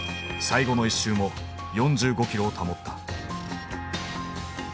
最後の１周も４５キロを保った。